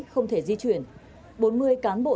không thể di chuyển bốn mươi cán bộ